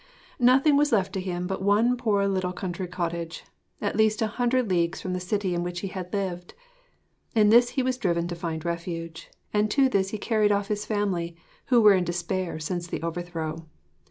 Nothing was left to him but one poor little country cottage, at least a hundred leagues from the city in which he had lived. In this he was driven to find refuge, and to this he carried off his family, who were in despair since the overthrow.